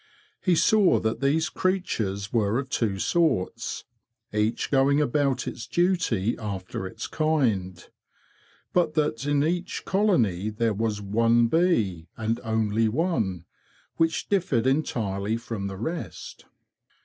He saw that these creatures were of two sorts, each going about its duty after its kind, but that in each colony there was one bee, and only one, which differed entirely from the rest.